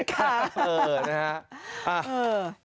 ครับนะครับเอ่อนะครับเอ่อ